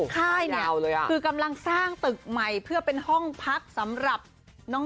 ค่ายเนี่ยคือกำลังสร้างตึกใหม่เพื่อเป็นห้องพักสำหรับน้อง